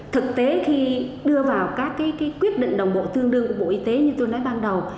thực tế khi đưa vào các quyết định đồng bộ tương đương của bộ y tế như tôi nói ban đầu